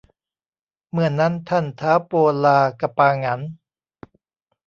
เมื่อนั้นท่านท้าวโปลากะปาหงัน